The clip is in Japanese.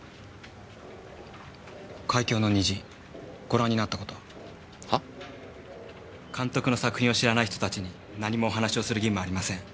『海峡の虹』ご覧になった事は？は？監督の作品を知らない人たちに何もお話をする義務はありません。